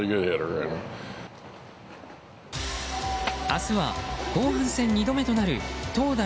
明日は、後半戦２度目となる投打